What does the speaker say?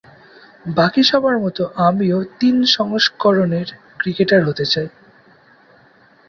বাকি সবার মতো আমিও তিন সংস্করণের ক্রিকেটার হতে চাই।